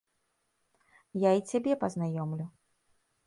Я і цябе пазнаёмлю.